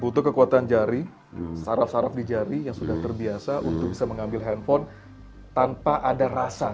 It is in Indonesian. butuh kekuatan jari saraf saraf di jari yang sudah terbiasa untuk bisa mengambil handphone tanpa ada rasa